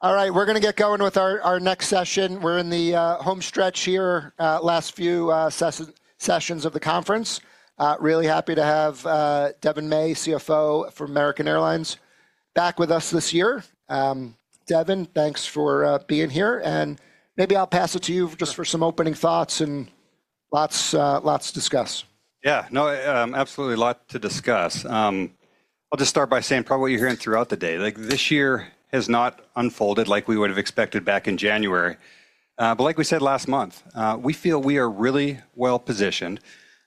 All right, we're going to get going with our next session. We're in the home stretch here, last few sessions of the conference. Really happy to have Devon May, CFO for American Airlines, back with us this year. Devon, thanks for being here. Maybe I'll pass it to you just for some opening thoughts and lots to discuss. Yeah, no, absolutely a lot to discuss. I'll just start by saying probably what you're hearing throughout the day. This year has not unfolded like we would have expected back in January. Like we said last month, we feel we are really well positioned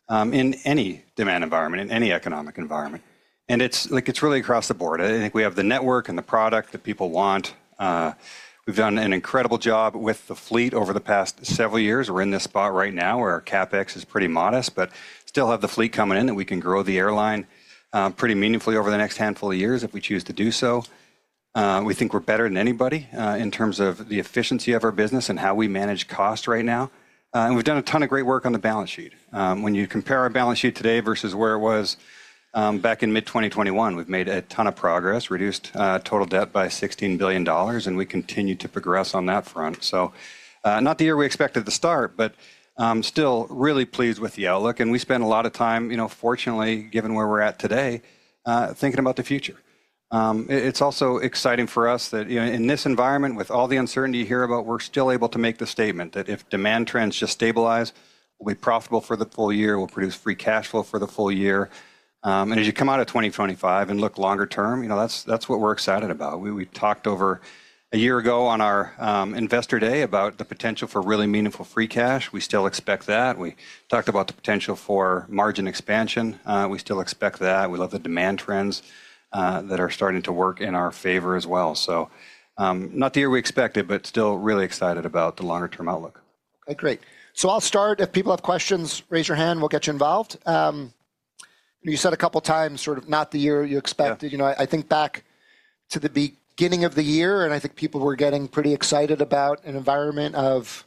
in any demand environment, in any economic environment. It's really across the board. I think we have the network and the product that people want. We've done an incredible job with the fleet over the past several years. We're in this spot right now where our CapEx is pretty modest, but still have the fleet coming in that we can grow the airline pretty meaningfully over the next handful of years if we choose to do so. We think we're better than anybody in terms of the efficiency of our business and how we manage costs right now. We have done a ton of great work on the balance sheet. When you compare our balance sheet today versus where it was back in mid-2021, we have made a ton of progress, reduced total debt by $16 billion, and we continue to progress on that front. Not the year we expected at the start, but still really pleased with the outlook. We spend a lot of time, fortunately, given where we are at today, thinking about the future. It is also exciting for us that in this environment, with all the uncertainty you hear about, we are still able to make the statement that if demand trends just stabilize, we will be profitable for the full year, we will produce free cash flow for the full year. As you come out of 2025 and look longer term, that is what we are excited about. We talked over a year ago on our investor day about the potential for really meaningful free cash. We still expect that. We talked about the potential for margin expansion. We still expect that. We love the demand trends that are starting to work in our favor as well. Not the year we expected, but still really excited about the longer term outlook. Okay, great. I'll start. If people have questions, raise your hand, we'll get you involved. You said a couple of times sort of not the year you expected. I think back to the beginning of the year, and I think people were getting pretty excited about an environment of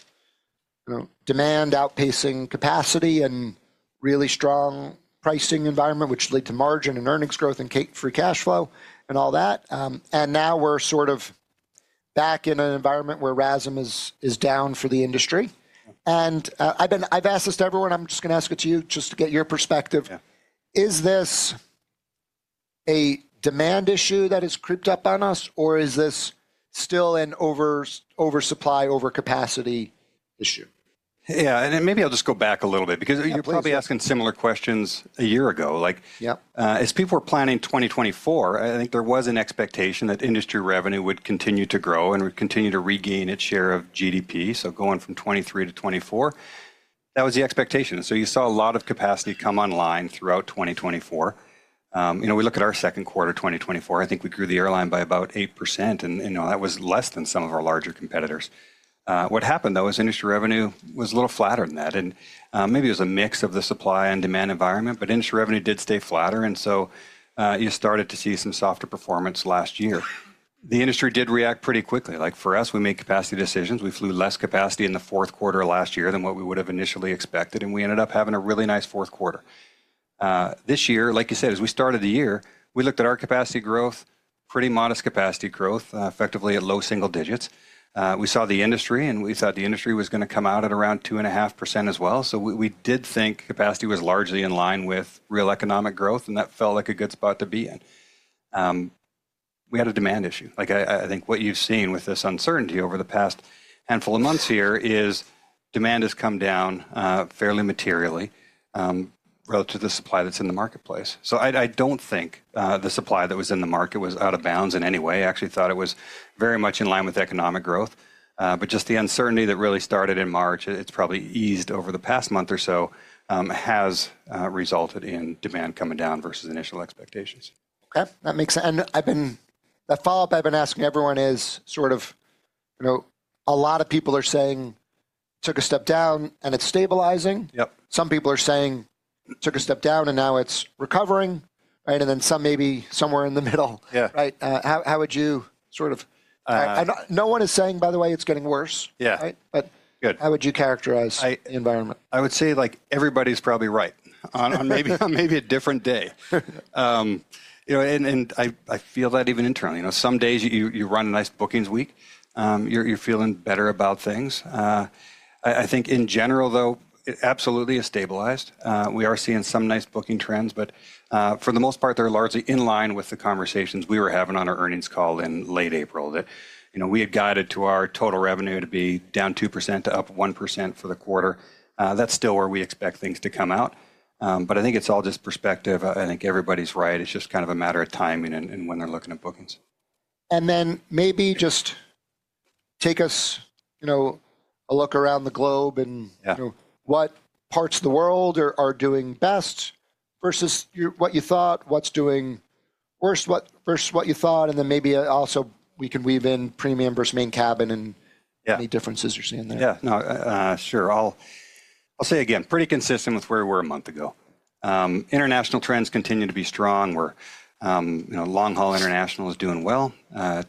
demand outpacing capacity and really strong pricing environment, which led to margin and earnings growth and free cash flow and all that. Now we're sort of back in an environment where RASM is down for the industry. I've asked this to everyone. I'm just going to ask it to you just to get your perspective. Is this a demand issue that has creeped up on us, or is this still an oversupply, overcapacity issue? Yeah, and maybe I'll just go back a little bit because you're probably asking similar questions a year ago. As people were planning 2024, I think there was an expectation that industry revenue would continue to grow and would continue to regain its share of GDP, so going from 2023 to 2024. That was the expectation. You saw a lot of capacity come online throughout 2024. We look at our second quarter of 2024, I think we grew the airline by about 8%, and that was less than some of our larger competitors. What happened, though, is industry revenue was a little flatter than that. Maybe it was a mix of the supply and demand environment, but industry revenue did stay flatter. You started to see some softer performance last year. The industry did react pretty quickly. Like for us, we made capacity decisions. We flew less capacity in the fourth quarter of last year than what we would have initially expected, and we ended up having a really nice fourth quarter. This year, like you said, as we started the year, we looked at our capacity growth, pretty modest capacity growth, effectively at low single digits. We saw the industry, and we thought the industry was going to come out at around 2.5% as well. We did think capacity was largely in line with real economic growth, and that felt like a good spot to be in. We had a demand issue. I think what you've seen with this uncertainty over the past handful of months here is demand has come down fairly materially relative to the supply that's in the marketplace. I don't think the supply that was in the market was out of bounds in any way. I actually thought it was very much in line with economic growth. Just the uncertainty that really started in March, it's probably eased over the past month or so, has resulted in demand coming down versus initial expectations. Okay, that makes sense. The follow-up I've been asking everyone is sort of a lot of people are saying took a step down and it's stabilizing. Some people are saying took a step down and now it's recovering, and then some maybe somewhere in the middle. How would you sort of, no one is saying, by the way, it's getting worse, but how would you characterize the environment? I would say everybody's probably right on maybe a different day. I feel that even internally. Some days you run a nice bookings week, you're feeling better about things. I think in general, though, it absolutely has stabilized. We are seeing some nice booking trends, but for the most part, they're largely in line with the conversations we were having on our earnings call in late April that we had guided to our total revenue to be down 2% to up 1% for the quarter. That's still where we expect things to come out. I think it's all just perspective. I think everybody's right. It's just kind of a matter of timing and when they're looking at bookings. Maybe just take us a look around the globe and what parts of the world are doing best versus what you thought, what's doing worse versus what you thought, and then maybe also we can weave in premium versus main cabin and any differences you're seeing there. Yeah, no, sure. I'll say again, pretty consistent with where we were a month ago. International trends continue to be strong. Long-haul international is doing well.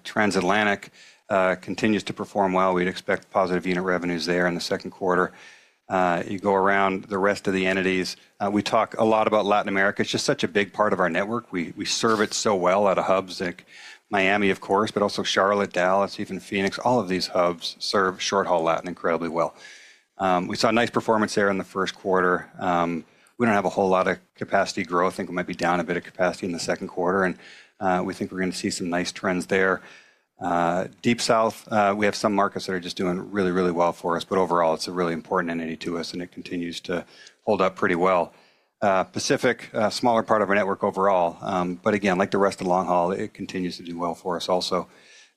Transatlantic continues to perform well. We'd expect positive unit revenues there in the second quarter. You go around the rest of the entities, we talk a lot about Latin America. It's just such a big part of our network. We serve it so well out of hubs, like Miami, of course, but also Charlotte, Dallas, even Phoenix. All of these hubs serve short-haul Latin incredibly well. We saw nice performance there in the first quarter. We don't have a whole lot of capacity growth. I think we might be down a bit of capacity in the second quarter, and we think we're going to see some nice trends there. Deep South, we have some markets that are just doing really, really well for us, but overall, it's a really important entity to us, and it continues to hold up pretty well. Pacific, a smaller part of our network overall, but again, like the rest of long-haul, it continues to do well for us also.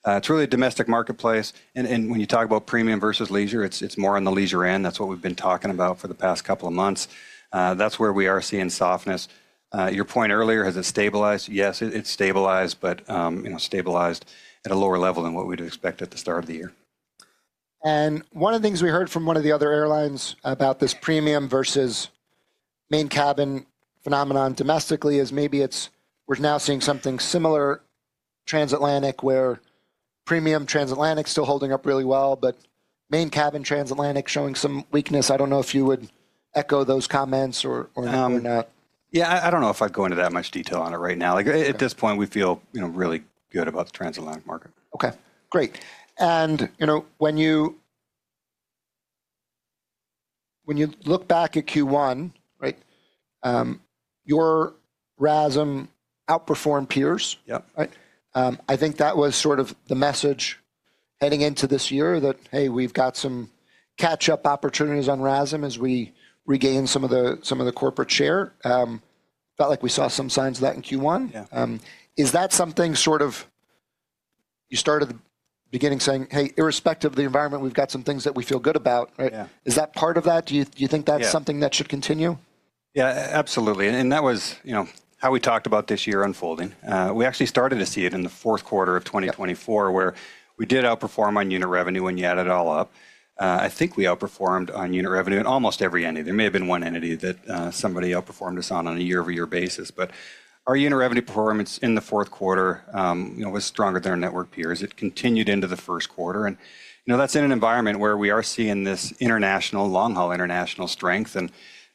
It's really a domestic marketplace. When you talk about premium versus leisure, it's more on the leisure end. That's what we've been talking about for the past couple of months. That's where we are seeing softness. Your point earlier, has it stabilized? Yes, it's stabilized, but stabilized at a lower level than what we'd expect at the start of the year. One of the things we heard from one of the other airlines about this premium versus main cabin phenomenon domestically is maybe we're now seeing something similar transatlantic where premium transatlantic is still holding up really well, but main cabin transatlantic is showing some weakness. I do not know if you would echo those comments or not. Yeah, I don't know if I'd go into that much detail on it right now. At this point, we feel really good about the transatlantic market. Okay, great. When you look back at Q1, your RASM outperformed peers. I think that was sort of the message heading into this year that, hey, we've got some catch-up opportunities on RASM as we regain some of the corporate share. Felt like we saw some signs of that in Q1. Is that something you started at the beginning saying, hey, irrespective of the environment, we've got some things that we feel good about? Is that part of that? Do you think that's something that should continue? Yeah, absolutely. That was how we talked about this year unfolding. We actually started to see it in the fourth quarter of 2024 where we did outperform on unit revenue when you add it all up. I think we outperformed on unit revenue in almost every entity. There may have been one entity that somebody outperformed us on on a year-over-year basis, but our unit revenue performance in the fourth quarter was stronger than our network peers. It continued into the first quarter. That is in an environment where we are seeing this international long-haul international strength, and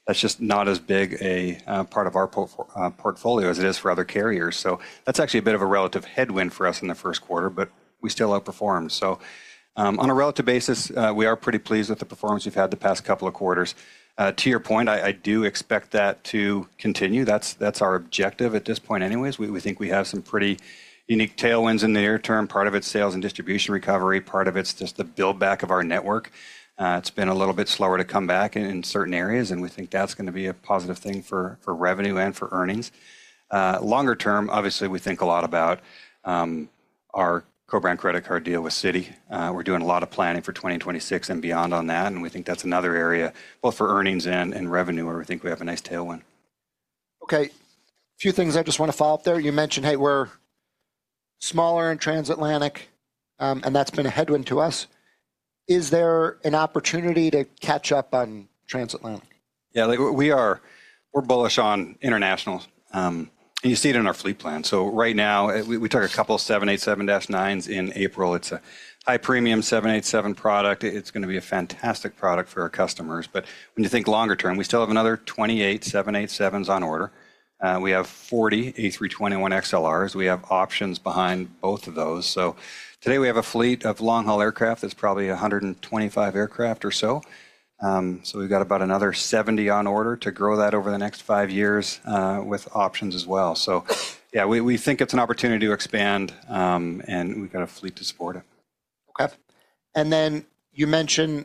that is just not as big a part of our portfolio as it is for other carriers. That is actually a bit of a relative headwind for us in the first quarter, but we still outperformed. On a relative basis, we are pretty pleased with the performance we've had the past couple of quarters. To your point, I do expect that to continue. That's our objective at this point anyways. We think we have some pretty unique tailwinds in the near term. Part of it's sales and distribution recovery. Part of it's just the buildback of our network. It's been a little bit slower to come back in certain areas, and we think that's going to be a positive thing for revenue and for earnings. Longer term, obviously, we think a lot about our co-brand credit card deal with Citi. We're doing a lot of planning for 2026 and beyond on that. We think that's another area both for earnings and revenue where we think we have a nice tailwind. Okay, a few things I just want to follow up there. You mentioned, hey, we're smaller in transatlantic, and that's been a headwind to us. Is there an opportunity to catch up on transatlantic? Yeah, we're bullish on internationals. You see it in our fleet plan. Right now, we took a couple of 787-9s in April. It's a high premium 787 product. It's going to be a fantastic product for our customers. When you think longer term, we still have another 28 787s on order. We have 40 A321XLRs. We have options behind both of those. Today we have a fleet of long-haul aircraft. It's probably 125 aircraft or so. We've got about another 70 on order to grow that over the next five years with options as well. Yeah, we think it's an opportunity to expand, and we've got a fleet to support it. Okay. You mentioned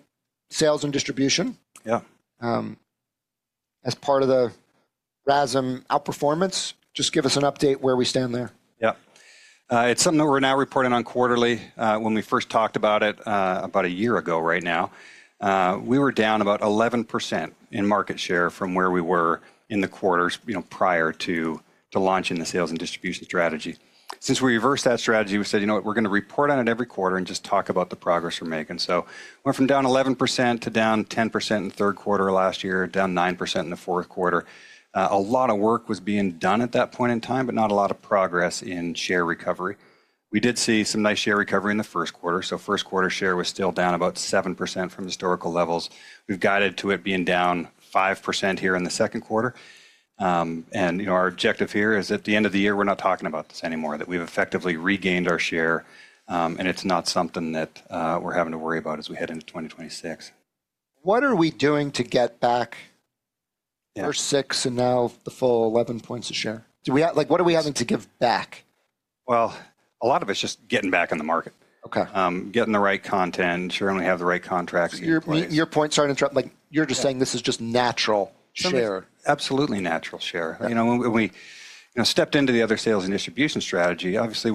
sales and distribution. Yeah. As part of the RASM outperformance, just give us an update where we stand there. Yeah. It's something that we're now reporting on quarterly. When we first talked about it about a year ago right now, we were down about 11% in market share from where we were in the quarters prior to launching the sales and distribution strategy. Since we reversed that strategy, we said, you know what, we're going to report on it every quarter and just talk about the progress we're making. Went from down 11% to down 10% in the third quarter last year, down 9% in the fourth quarter. A lot of work was being done at that point in time, but not a lot of progress in share recovery. We did see some nice share recovery in the first quarter. First quarter share was still down about 7% from historical levels. We've guided to it being down 5% here in the second quarter. Our objective here is at the end of the year, we're not talking about this anymore, that we've effectively regained our share, and it's not something that we're having to worry about as we head into 2026. What are we doing to get back our six and now the full 11 points of share? What are we having to give back? A lot of it's just getting back in the market, getting the right content, ensuring we have the right contracts. Your point, sorry to interrupt, you're just saying this is just natural share. Absolutely natural share. When we stepped into the other sales and distribution strategy, obviously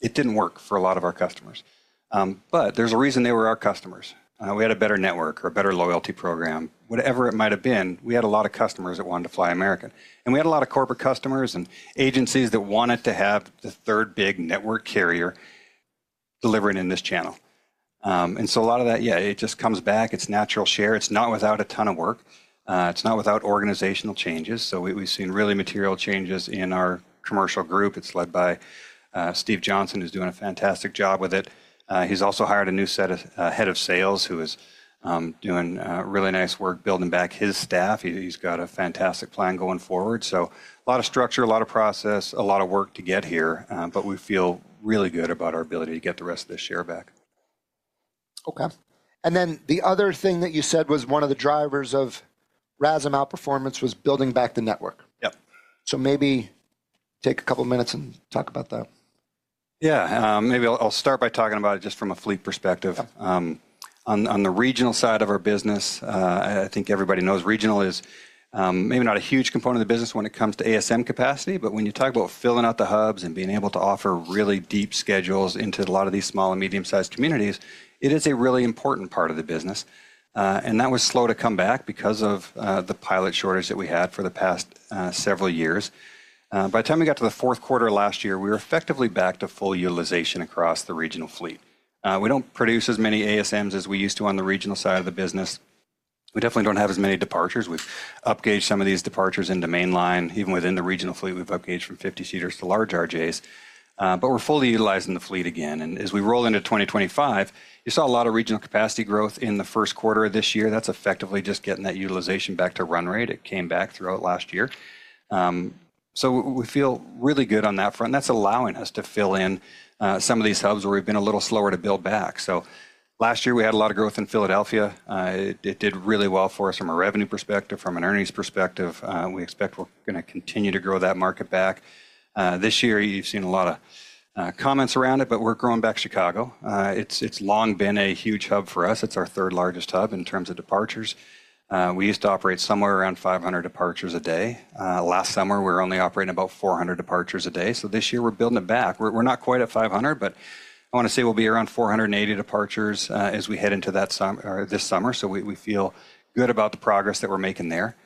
it didn't work for a lot of our customers. But there's a reason they were our customers. We had a better network or a better loyalty program, whatever it might have been. We had a lot of customers that wanted to fly American. We had a lot of corporate customers and agencies that wanted to have the third big network carrier delivering in this channel. A lot of that, yeah, it just comes back. It's natural share. It's not without a ton of work. It's not without organizational changes. We've seen really material changes in our commercial group. It's led by Steve Johnson, who's doing a fantastic job with it. He's also hired a new set of head of sales who is doing really nice work building back his staff. He's got a fantastic plan going forward. A lot of structure, a lot of process, a lot of work to get here, but we feel really good about our ability to get the rest of this share back. Okay. The other thing that you said was one of the drivers of RASM outperformance was building back the network. Yep. Maybe take a couple of minutes and talk about that. Yeah, maybe I'll start by talking about it just from a fleet perspective. On the regional side of our business, I think everybody knows regional is maybe not a huge component of the business when it comes to ASM capacity, but when you talk about filling out the hubs and being able to offer really deep schedules into a lot of these small and medium-sized communities, it is a really important part of the business. That was slow to come back because of the pilot shortage that we had for the past several years. By the time we got to the fourth quarter last year, we were effectively back to full utilization across the regional fleet. We do not produce as many ASMs as we used to on the regional side of the business. We definitely do not have as many departures. We've upgraded some of these departures into mainline. Even within the regional fleet, we've upgraded from 50-seaters to large RJs. We're fully utilizing the fleet again. As we roll into 2025, you saw a lot of regional capacity growth in the first quarter of this year. That's effectively just getting that utilization back to run rate. It came back throughout last year. We feel really good on that front. That's allowing us to fill in some of these hubs where we've been a little slower to build back. Last year, we had a lot of growth in Philadelphia. It did really well for us from a revenue perspective, from an earnings perspective. We expect we're going to continue to grow that market back. This year, you've seen a lot of comments around it, but we're growing back Chicago. It's long been a huge hub for us. It's our third largest hub in terms of departures. We used to operate somewhere around 500 departures a day. Last summer, we were only operating about 400 departures a day. This year, we're building it back. We're not quite at 500, but I want to say we'll be around 480 departures as we head into this summer. We feel good about the progress that we're making there.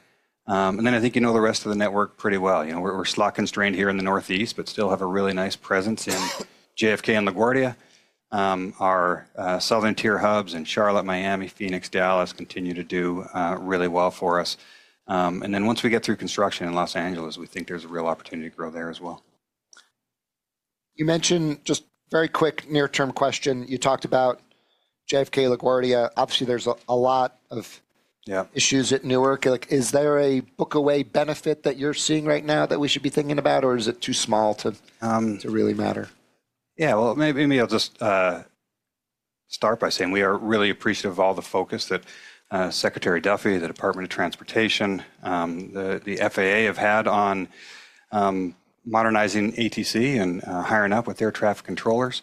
I think you know the rest of the network pretty well. We're slot constrained here in the northeast, but still have a really nice presence in JFK and LaGuardia. Our southern tier hubs in Charlotte, Miami, Phoenix, Dallas continue to do really well for us. Once we get through construction in Los Angeles, we think there's a real opportunity to grow there as well. You mentioned just very quick near-term question. You talked about JFK, LaGuardia. Obviously, there's a lot of issues at Newark. Is there a book away benefit that you're seeing right now that we should be thinking about, or is it too small to really matter? Yeah, maybe I'll just start by saying we are really appreciative of all the focus that Secretary Duffy, the Department of Transportation, the FAA have had on modernizing ATC and hiring up with their traffic controllers.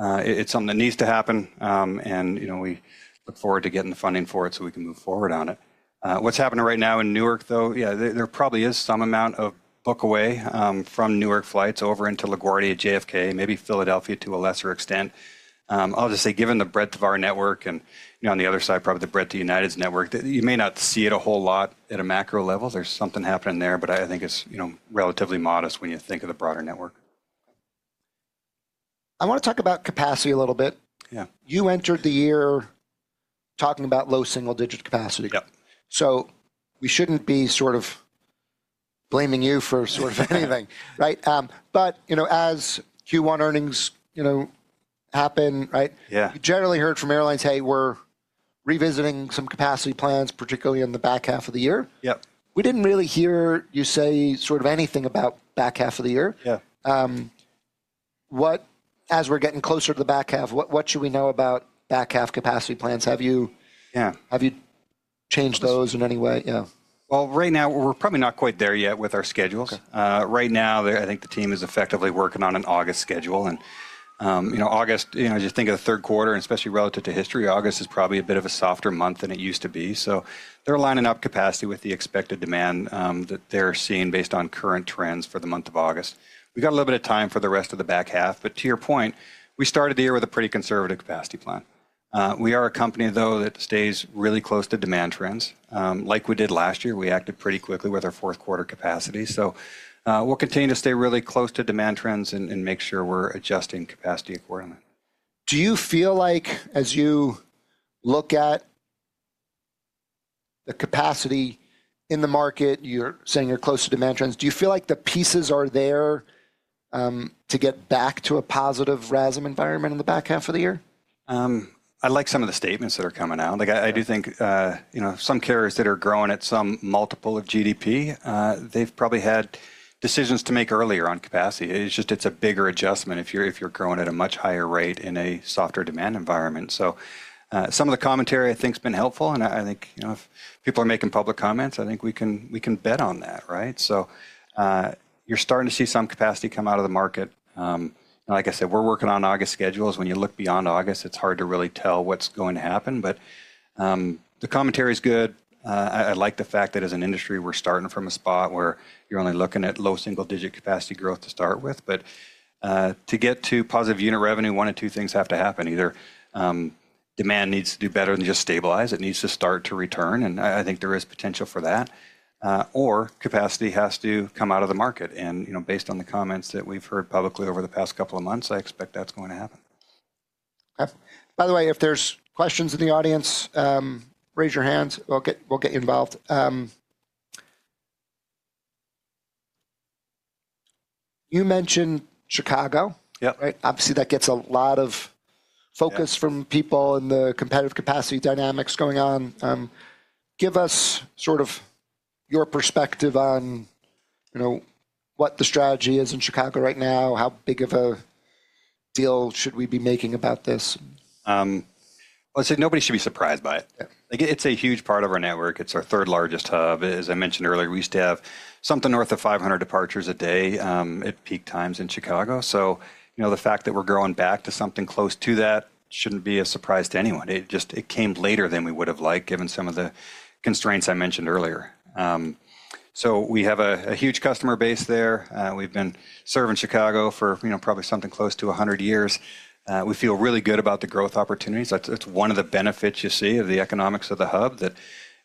It's something that needs to happen, and we look forward to getting the funding for it so we can move forward on it. What's happening right now in Newark, though, yeah, there probably is some amount of book away from Newark flights over into LaGuardia, JFK, maybe Philadelphia to a lesser extent. I'll just say, given the breadth of our network and on the other side, probably the breadth of United's network, you may not see it a whole lot at a macro level. There's something happening there, but I think it's relatively modest when you think of the broader network. I want to talk about capacity a little bit. Yeah. You entered the year talking about low single-digit capacity. Yep. We shouldn't be sort of blaming you for sort of anything, right? But as Q1 earnings happen, right? Yeah. We generally heard from airlines, hey, we're revisiting some capacity plans, particularly in the back half of the year. Yep. We did not really hear you say sort of anything about back half of the year. Yeah. As we're getting closer to the back half, what should we know about back half capacity plans? Have you changed those in any way? Yeah. Right now, we're probably not quite there yet with our schedules. Right now, I think the team is effectively working on an August schedule. August, as you think of the third quarter, and especially relative to history, August is probably a bit of a softer month than it used to be. They're lining up capacity with the expected demand that they're seeing based on current trends for the month of August. We've got a little bit of time for the rest of the back half. To your point, we started the year with a pretty conservative capacity plan. We are a company, though, that stays really close to demand trends. Like we did last year, we acted pretty quickly with our fourth quarter capacity. We will continue to stay really close to demand trends and make sure we're adjusting capacity accordingly. Do you feel like, as you look at the capacity in the market, you're saying you're close to demand trends, do you feel like the pieces are there to get back to a positive RASM environment in the back half of the year? I like some of the statements that are coming out. I do think some carriers that are growing at some multiple of GDP, they've probably had decisions to make earlier on capacity. It's just it's a bigger adjustment if you're growing at a much higher rate in a softer demand environment. Some of the commentary, I think, has been helpful. I think if people are making public comments, I think we can bet on that, right? You're starting to see some capacity come out of the market. Like I said, we're working on August schedules. When you look beyond August, it's hard to really tell what's going to happen. The commentary is good. I like the fact that as an industry, we're starting from a spot where you're only looking at low single-digit capacity growth to start with. To get to positive unit revenue, one of two things have to happen. Either demand needs to do better than just stabilize. It needs to start to return. I think there is potential for that. Or capacity has to come out of the market. Based on the comments that we've heard publicly over the past couple of months, I expect that's going to happen. By the way, if there's questions in the audience, raise your hands. We'll get involved. You mentioned Chicago. Yep. Obviously, that gets a lot of focus from people and the competitive capacity dynamics going on. Give us sort of your perspective on what the strategy is in Chicago right now. How big of a deal should we be making about this? I'd say nobody should be surprised by it. It's a huge part of our network. It's our third largest hub. As I mentioned earlier, we used to have something north of 500 departures a day at peak times in Chicago. The fact that we're growing back to something close to that shouldn't be a surprise to anyone. It came later than we would have liked, given some of the constraints I mentioned earlier. We have a huge customer base there. We've been serving Chicago for probably something close to 100 years. We feel really good about the growth opportunities. That's one of the benefits you see of the economics of the hub, that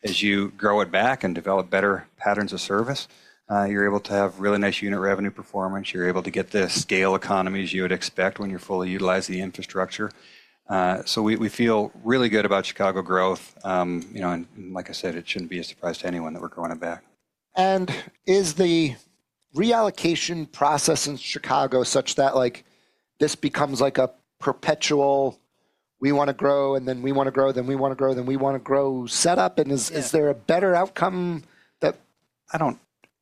as you grow it back and develop better patterns of service, you're able to have really nice unit revenue performance. You're able to get the scale economies you would expect when you're fully utilizing the infrastructure. We feel really good about Chicago growth. Like I said, it shouldn't be a surprise to anyone that we're growing it back. Is the reallocation process in Chicago such that this becomes like a perpetual, we want to grow, and then we want to grow, then we want to grow, then we want to grow setup? Is there a better outcome than that? I don't,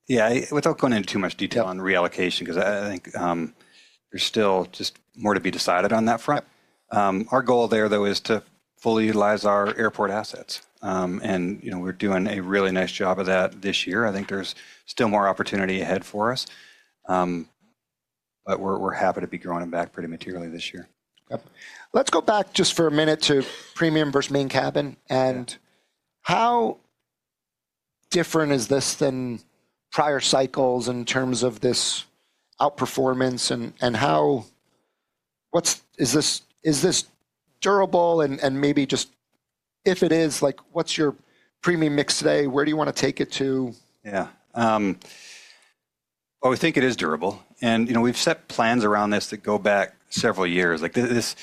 yeah, without going into too much detail on reallocation, because I think there's still just more to be decided on that front. Our goal there, though, is to fully utilize our airport assets. And we're doing a really nice job of that this year. I think there's still more opportunity ahead for us. We're happy to be growing it back pretty materially this year. Let's go back just for a minute to premium versus main cabin. How different is this than prior cycles in terms of this outperformance? Is this durable? If it is, what's your premium mix today? Where do you want to take it to? Yeah. We think it is durable. We have set plans around this that go back several years. This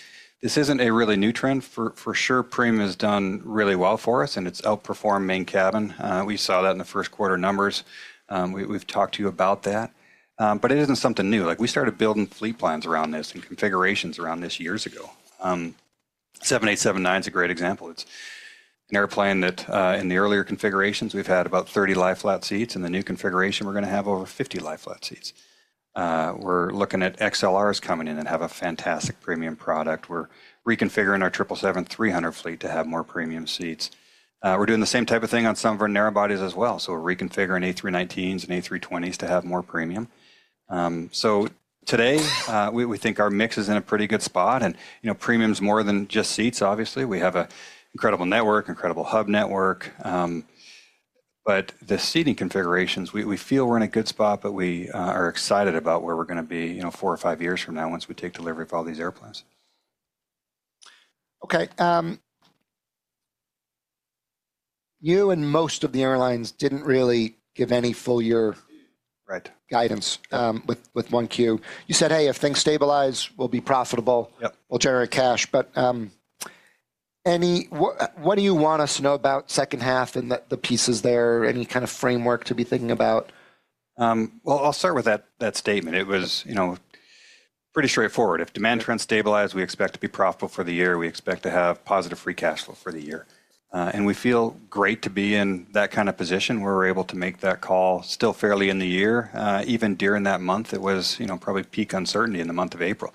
is not a really new trend for sure. Premium has done really well for us, and it has outperformed main cabin. We saw that in the first quarter numbers. We have talked to you about that. It is not something new. We started building fleet plans around this and configurations around this years ago. 787-9 is a great example. It is an airplane that in the earlier configurations, we have had about 30 lie-flat seats. In the new configuration, we are going to have over 50 lie-flat seats. We are looking at XLRs coming in and have a fantastic premium product. We are reconfiguring our 777-300 fleet to have more premium seats. We are doing the same type of thing on some of our narrowbodies as well. We are reconfiguring A319s and A320s to have more premium. Today, we think our mix is in a pretty good spot. Premium is more than just seats, obviously. We have an incredible network, incredible hub network. The seating configurations, we feel we are in a good spot, but we are excited about where we are going to be four or five years from now once we take delivery of all these airplanes. Okay. You and most of the airlines did not really give any full year guidance with 1Q. You said, hey, if things stabilize, we will be profitable. Yep. We'll generate cash. What do you want us to know about second half and the pieces there? Any kind of framework to be thinking about? I'll start with that statement. It was pretty straightforward. If demand trends stabilize, we expect to be profitable for the year. We expect to have positive free cash flow for the year. We feel great to be in that kind of position where we're able to make that call still fairly in the year. Even during that month, it was probably peak uncertainty in the month of April.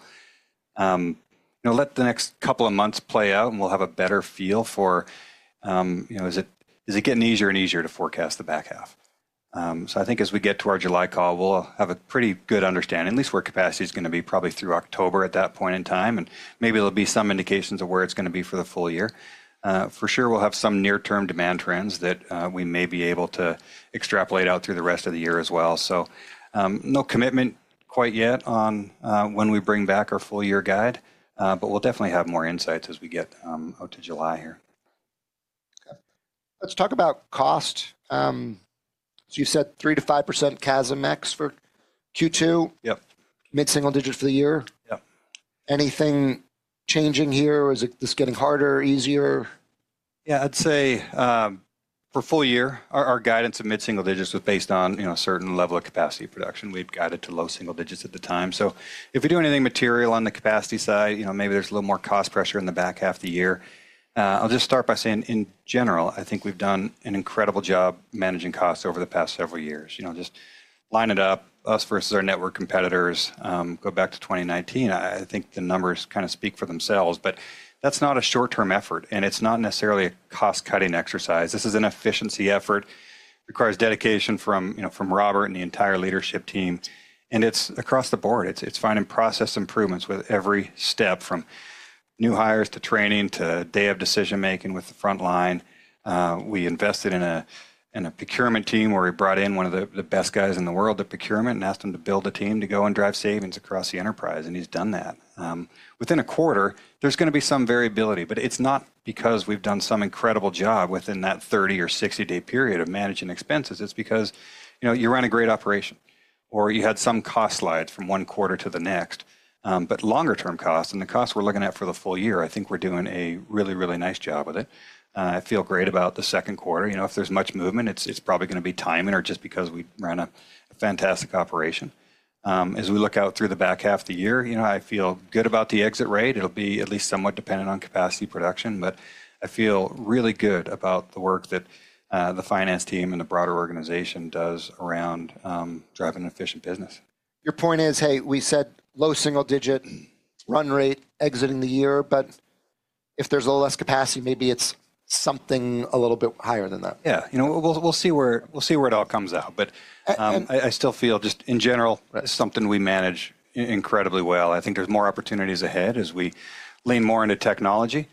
Let the next couple of months play out, and we'll have a better feel for is it getting easier and easier to forecast the back half. I think as we get to our July call, we'll have a pretty good understanding, at least where capacity is going to be probably through October at that point in time. Maybe there'll be some indications of where it's going to be for the full year. For sure, we'll have some near-term demand trends that we may be able to extrapolate out through the rest of the year as well. No commitment quite yet on when we bring back our full year guide. We'll definitely have more insights as we get out to July here. Let's talk about cost. So you said 3%-5% CASM-Ex for Q2. Yep. Mid-single digits for the year. Yep. Anything changing here? Is this getting harder, easier? Yeah, I'd say for full year, our guidance of mid-single digits was based on a certain level of capacity production. We've guided to low single digits at the time. If we do anything material on the capacity side, maybe there's a little more cost pressure in the back half of the year. I'll just start by saying, in general, I think we've done an incredible job managing costs over the past several years. Just line it up, us versus our network competitors, go back to 2019. I think the numbers kind of speak for themselves. That is not a short-term effort. It is not necessarily a cost-cutting exercise. This is an efficiency effort. It requires dedication from Robert and the entire leadership team. It is across the board. It is finding process improvements with every step from new hires to training to day-of decision-making with the front line. We invested in a procurement team where we brought in one of the best guys in the world at procurement and asked him to build a team to go and drive savings across the enterprise. He's done that. Within a quarter, there's going to be some variability. It's not because we've done some incredible job within that 30 or 60-day period of managing expenses. It's because you ran a great operation, or you had some cost slides from one quarter to the next. Longer-term costs and the costs we're looking at for the full year, I think we're doing a really, really nice job with it. I feel great about the second quarter. If there's much movement, it's probably going to be timing or just because we ran a fantastic operation. As we look out through the back half of the year, I feel good about the exit rate. It'll be at least somewhat dependent on capacity production. I feel really good about the work that the finance team and the broader organization does around driving an efficient business. Your point is, hey, we said low single-digit run rate exiting the year. If there's a little less capacity, maybe it's something a little bit higher than that. Yeah. We'll see where it all comes out. I still feel, just in general, it's something we manage incredibly well. I think there's more opportunities ahead as we lean more into technology.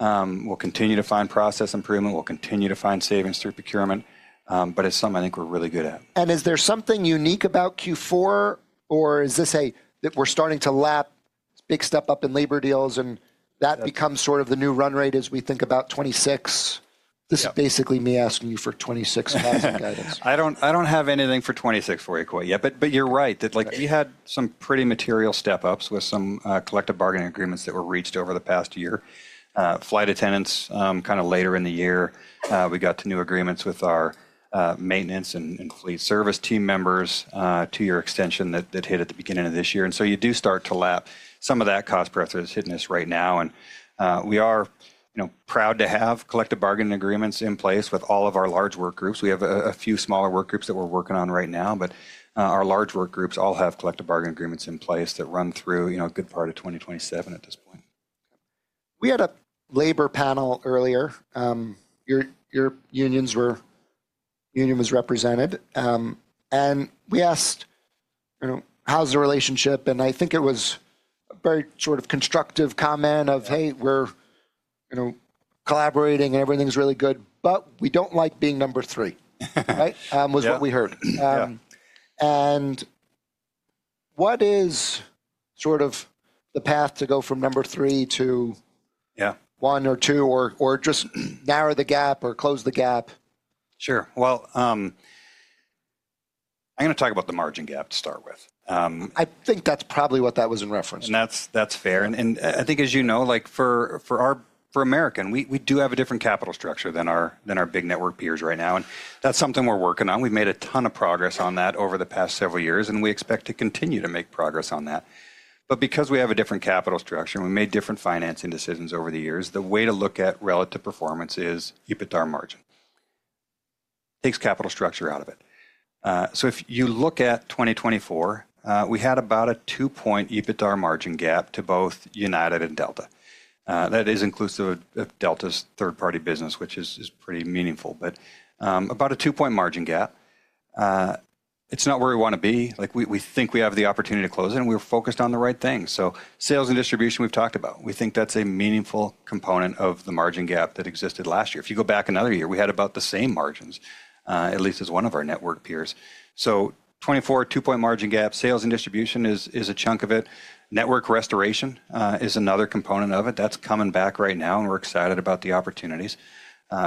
We'll continue to find process improvement. We'll continue to find savings through procurement. It's something I think we're really good at. Is there something unique about Q4? Or is this a, we're starting to lap, big step up in labor deals, and that becomes sort of the new run rate as we think about 2026? This is basically me asking you for 2026 CASM guidance. I don't have anything for 2026 for you quite yet. But you're right. You had some pretty material step-ups with some collective bargaining agreements that were reached over the past year. Flight attendants, kind of later in the year, we got to new agreements with our maintenance and fleet service team members, two-year extension that hit at the beginning of this year. And so you do start to lap some of that cost pressure that's hitting us right now. And we are proud to have collective bargaining agreements in place with all of our large work groups. We have a few smaller work groups that we're working on right now. But our large work groups all have collective bargaining agreements in place that run through a good part of 2027 at this point. We had a labor panel earlier. Your union was represented. We asked, how's the relationship? I think it was a very sort of constructive comment of, hey, we're collaborating and everything's really good, but we don't like being number three, right? Was what we heard. What is sort of the path to go from number three to one or two or just narrow the gap or close the gap? Sure. I'm going to talk about the margin gap to start with. I think that's probably what that was in reference. That is fair. I think, as you know, for American, we do have a different capital structure than our big network peers right now. That is something we are working on. We have made a ton of progress on that over the past several years. We expect to continue to make progress on that. Because we have a different capital structure, we made different financing decisions over the years. The way to look at relative performance is EBITDA margin. It takes capital structure out of it. If you look at 2024, we had about a two-point EBITDA margin gap to both United and Delta. That is inclusive of Delta's third-party business, which is pretty meaningful. About a two-point margin gap. It is not where we want to be. We think we have the opportunity to close it. We are focused on the right thing. Sales and distribution, we've talked about. We think that's a meaningful component of the margin gap that existed last year. If you go back another year, we had about the same margins, at least as one of our network peers. In 2024, two-point margin gap. Sales and distribution is a chunk of it. Network restoration is another component of it. That's coming back right now. We are excited about the opportunities.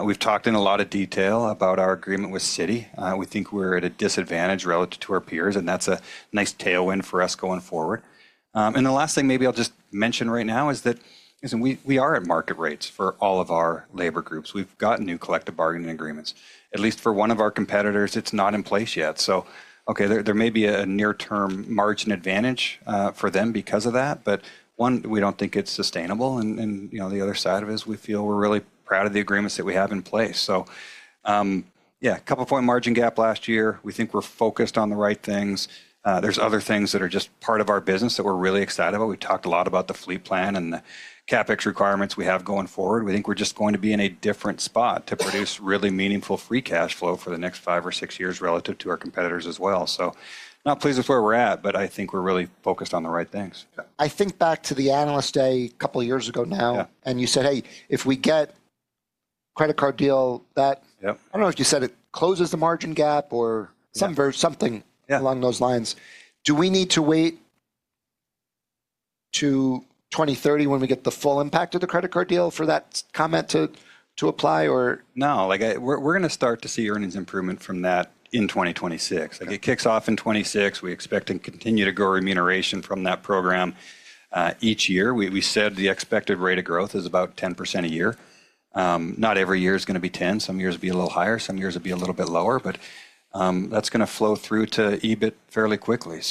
We've talked in a lot of detail about our agreement with Citi. We think we're at a disadvantage relative to our peers. That's a nice tailwind for us going forward. The last thing maybe I'll just mention right now is that we are at market rates for all of our labor groups. We've gotten new collective bargaining agreements. At least for one of our competitors, it's not in place yet. Okay, there may be a near-term margin advantage for them because of that. One, we do not think it is sustainable. The other side of it is we feel we are really proud of the agreements that we have in place. Yeah, a couple-point margin gap last year. We think we are focused on the right things. There are other things that are just part of our business that we are really excited about. We talked a lot about the fleet plan and the CapEx requirements we have going forward. We think we are just going to be in a different spot to produce really meaningful free cash flow for the next five or six years relative to our competitors as well. Not pleased with where we are at, but I think we are really focused on the right things. I think back to the analyst day a couple of years ago now. You said, hey, if we get credit card deal that, I do not know if you said it closes the margin gap or something along those lines. Do we need to wait to 2030 when we get the full impact of the credit card deal for that comment to apply, or? No. We're going to start to see earnings improvement from that in 2026. It kicks off in 2026. We expect to continue to grow remuneration from that program each year. We said the expected rate of growth is about 10% a year. Not every year is going to be 10%. Some years will be a little higher. Some years will be a little bit lower. That is going to flow through to EBIT fairly quickly.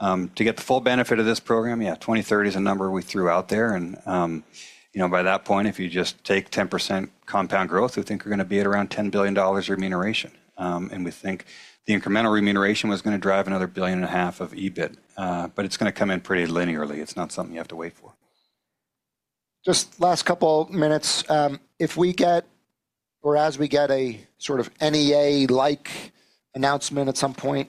To get the full benefit of this program, yeah, 2030 is a number we threw out there. By that point, if you just take 10% compound growth, we think we're going to be at around $10 billion remuneration. We think the incremental remuneration is going to drive another $1.5 billion of EBIT. It is going to come in pretty linearly. It is not something you have to wait for. Just last couple of minutes. If we get, or as we get a sort of NEA-like announcement at some point,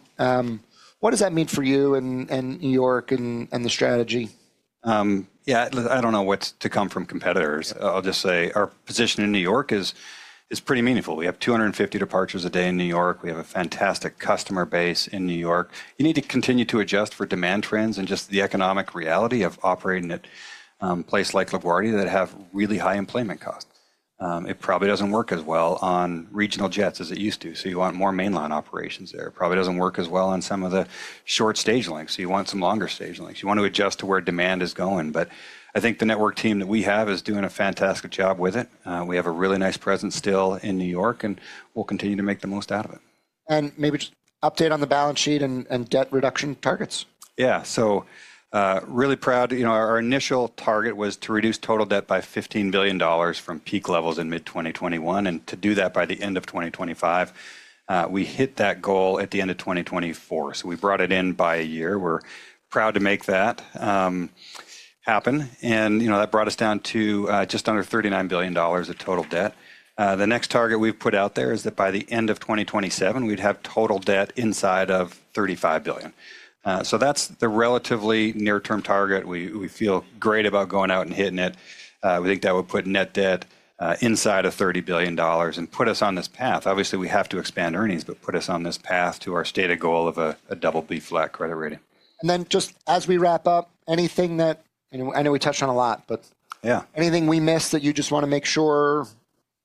what does that mean for you and New York and the strategy? Yeah, I do not know what is to come from competitors. I will just say our position in New York is pretty meaningful. We have 250 departures a day in New York. We have a fantastic customer base in New York. You need to continue to adjust for demand trends and just the economic reality of operating at a place like LaGuardia that has really high employment costs. It probably does not work as well on regional jets as it used to. You want more mainline operations there. It probably does not work as well on some of the short-stage links. You want some longer-stage links. You want to adjust to where demand is going. I think the network team that we have is doing a fantastic job with it. We have a really nice presence still in New York. We will continue to make the most out of it. Maybe just update on the balance sheet and debt reduction targets. Yeah. Really proud. Our initial target was to reduce total debt by $15 billion from peak levels in mid-2021. To do that by the end of 2025, we hit that goal at the end of 2024. We brought it in by a year. We're proud to make that happen. That brought us down to just under $39 billion of total debt. The next target we've put out there is that by the end of 2027, we'd have total debt inside of $35 billion. That's the relatively near-term target. We feel great about going out and hitting it. We think that would put net debt inside of $30 billion and put us on this path. Obviously, we have to expand earnings, but put us on this path to our stated goal of a double B flat credit rating. Just as we wrap up, anything that I know we touched on a lot, but anything we missed that you just want to make sure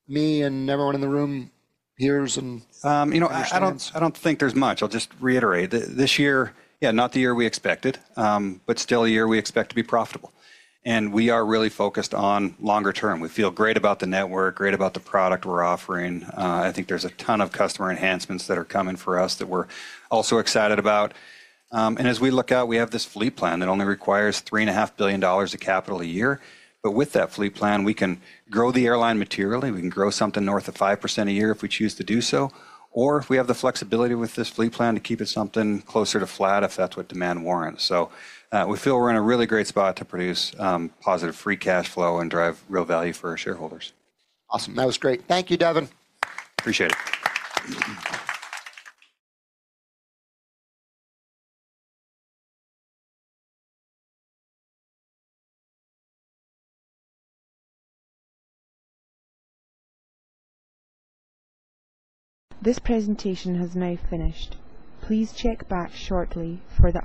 me and everyone in the room, peers, and our audience? I don't think there's much. I'll just reiterate. This year, yeah, not the year we expected, but still a year we expect to be profitable. We are really focused on longer term. We feel great about the network, great about the product we're offering. I think there's a ton of customer enhancements that are coming for us that we're also excited about. As we look out, we have this fleet plan that only requires $3.5 billion of capital a year. With that fleet plan, we can grow the airline materially. We can grow something north of 5% a year if we choose to do so. We have the flexibility with this fleet plan to keep it something closer to flat if that's what demand warrants. We feel we're in a really great spot to produce positive free cash flow and drive real value for our shareholders. Awesome. That was great. Thank you, Devon. Appreciate it. This presentation has now finished. Please check back shortly for the.